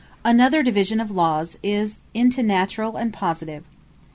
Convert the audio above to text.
Another division of Lawes, is into Naturall and Positive.